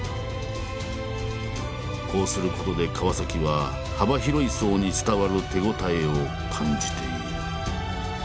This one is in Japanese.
こうすることで川は幅広い層に伝わる手応えを感じている。